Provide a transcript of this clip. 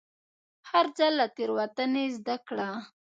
هر ځل له تېروتنې زده کړه.